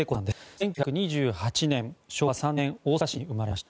１９２８年、昭和３年大阪市に生まれました。